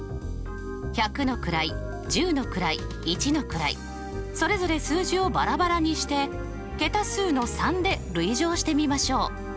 百の位十の位一の位それぞれ数字をバラバラにして桁数の３で累乗してみましょう。